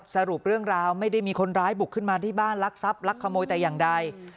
สรุปเรื่องราวไม่ได้มีคนร้ายบุกขึ้นมาที่บ้านลักทรัพย์ลักขโมยแต่อย่างใด